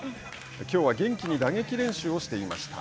きょうは元気に打撃練習をしていました。